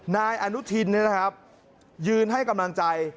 นายอนุทินนะครับยืนให้กำลังใจ